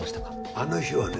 あの日はね